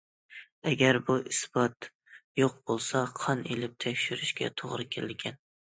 ئەگەر بۇ ئىسپات يوق بولسا، قان ئېلىپ تەكشۈرۈشكە توغرا كېلىدىكەن.